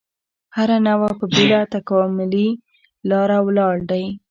هره نوعه په بېله تکاملي لاره ولاړ دی.